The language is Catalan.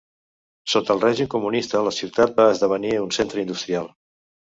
Sota el règim comunista la ciutat va esdevenir un centre industrial.